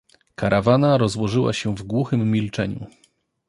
Karawana rozłożyła się w głuchym milczeniu.